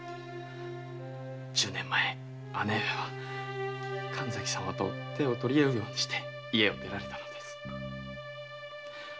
十年前姉上は神崎様と手を取り合って家を出られたのです。